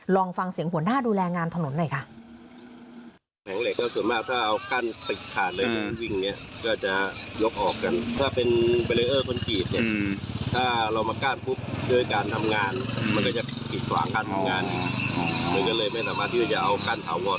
ลองฟังเสียงหัวหน้าดูแลงานถนนหน่อยค่ะ